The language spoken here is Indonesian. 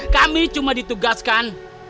kami cuma ditugaskan